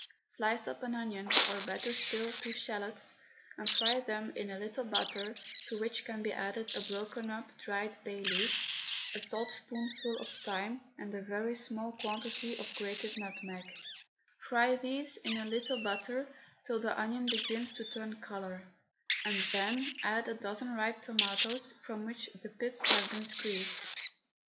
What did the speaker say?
Slice up an onion, or better still two shallots, and fry them in a little butter, to which can be added a broken up, dried bay leaf, a saltspoonful of thyme, and a very small quantity of grated nutmeg, Fry these in a little batter till the onion begins to turn colour, and then add a dozen ripe tomatoes from which the pips have been squeezed.